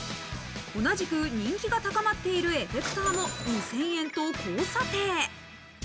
同じく人気が高まっているエフェクターも２０００円と高査定。